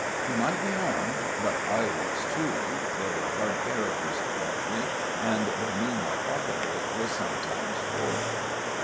He might be armed, but I was, too there were hard characters at Bartley, and they knew my pocket book was sometimes full.